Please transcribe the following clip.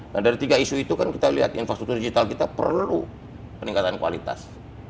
nah dari tiga isu itu kan kita lihat infrastruktur digital kita perlu peningkatan kualitas